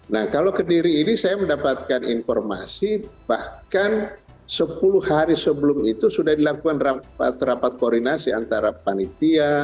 nah kalau kediri ini saya mendapatkan informasi bahkan sepuluh hari sebelum itu sudah dilakukan rapat koordinasi antara panitia